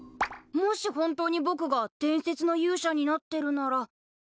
もし本当にぼくが伝説の勇者になってるならん！